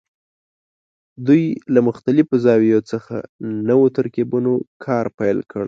دوی له مختلفو زاویو څخه نوو ترکیبونو کار پیل کړ.